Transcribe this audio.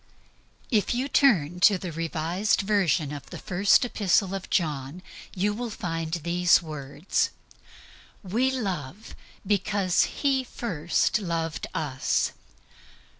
If you turn to the Revised Version of the First Epistle of John you find these words: "We love because He first loved us."